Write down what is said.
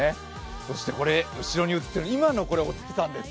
そしてこれ、後ろに映ってる今のお月さんです。